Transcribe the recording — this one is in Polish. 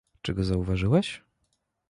"Czy go zauważyłeś?"